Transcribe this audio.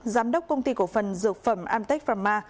giám đốc công ty cổ phần dược phẩm amtech pharma